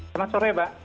selamat sore mbak